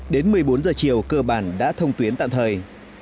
đến một mươi bốn giờ chiều cơ bản đã thông tuyến tạm thời